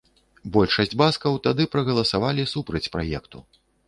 Большасць баскаў тады прагаласавалі супраць праекту.